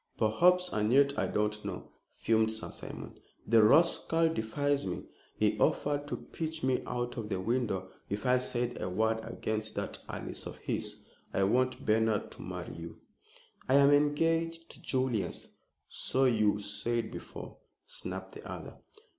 "Perhaps. And yet I don't know," fumed Sir Simon. "The rascal defied me! He offered to pitch me out of the window if I said a word against that Alice of his. I want Bernard to marry you " "I am engaged to Julius." "So you said before," snapped the other.